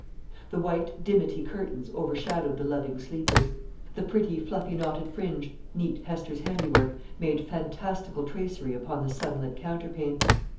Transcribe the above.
The white dimity curtains overshadowed the loving sleepers. The pretty fluffy knotted fringe neat Hester's handiwork made fantastical tracery upon the sunlit counterpane.